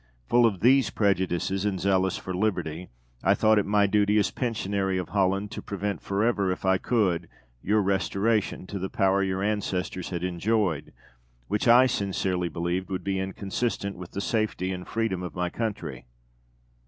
Full of these prejudices, and zealous for liberty, I thought it my duty as Pensionary of Holland to prevent for ever, if I could, your restoration to the power your ancestors had enjoyed, which I sincerely believed would be inconsistent with the safety and freedom of my country.